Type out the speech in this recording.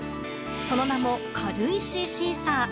その名も軽石シーサー。